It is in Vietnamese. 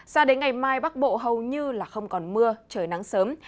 sao đến ngày mai bắc bộ hầu như là không còn mưa trời nắng sớm